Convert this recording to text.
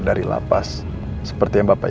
dari lapas seperti yang bapak